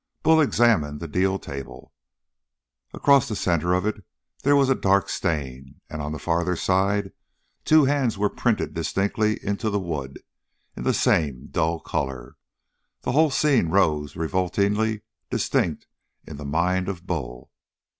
Bull examined the deal table. Across the center of it there was a dark stain, and on the farther side, two hands were printed distinctly into the wood, in the same dull color. The whole scene rose revoltingly distinct in the mind of Bull.